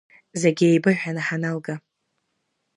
Зегьы еибыҳәаны ҳаналга…